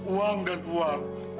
uang dan uang